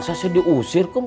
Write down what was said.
masa saya diusir kum